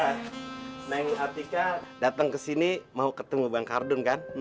eh neng artika dateng kesini mau ketemu bang kardun kan